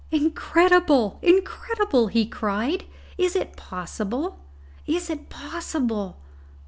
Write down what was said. "Incredible! incredible!" he cried. "Is it possible! is it possible!